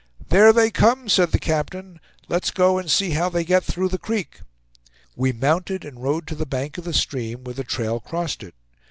"There they come!" said the captain: "let's go and see how they get through the creek." We mounted and rode to the bank of the stream, where the trail crossed it.